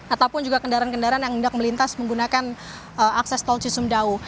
ataupun juga kendaraan kendaraan yang hendak melintas menggunakan akses tol cisumdawu